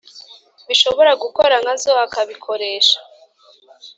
Bishobora gukora nkazo akabikoresha